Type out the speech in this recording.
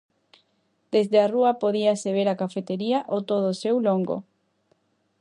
Desde a rúa podíase ver a cafetería a todo o seu longo.